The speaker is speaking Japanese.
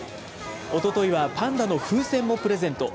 おとといはパンダの風船もプレゼント。